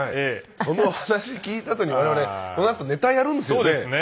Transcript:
その話聞いたあとに我々このあとネタやるんですよね？